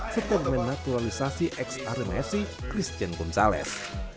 serta dokumen naturalisasi ex rmfc christian gonzalez